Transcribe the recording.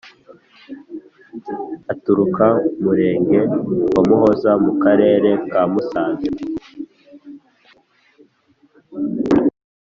Aturuka Murenge wa Muhoza mu Karere ka Musanze.